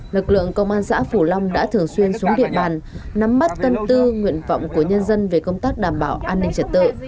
lực lượng công an xã phủ long đã thường xuyên xuống địa bàn nắm mắt tâm tư nguyện vọng của nhân dân về công tác đảm bảo an ninh trật tự